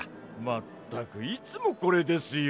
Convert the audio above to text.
まったくいつもこれですよ。